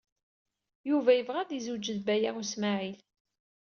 Yuba yebɣa ad yezweǧ d Baya U Smaɛil.